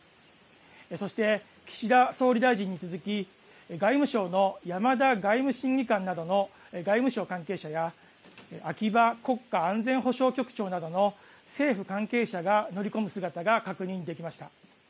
そして岸田総理大臣に続き外務省の山田外務審議官などの外務省関係者や秋葉国家安全保障局長などの政府関係者が乗り込む姿が確認できました。